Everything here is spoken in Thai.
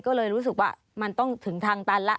ก็เลยรู้สึกว่ามันต้องถึงทางตันแล้ว